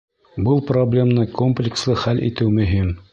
Был проблеманы комплекслы хәл итеү мөһим.